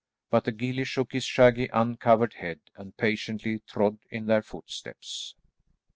But the gillie shook his shaggy uncovered head and patiently trod in their footsteps.